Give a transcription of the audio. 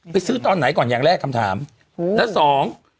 ซื้อตอนไหนก่อนอย่างแรกคำถามอืมแล้วสอง